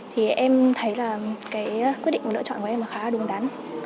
thì em thấy là cái quyết định và lựa chọn của em là khá đúng đắn